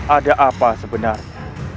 ada apa sebenarnya